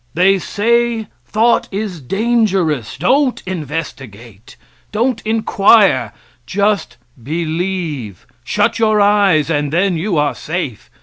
They say thought is dangerous don't investigate;* don't inquire; just believe; shut your eyes, and then you are safe.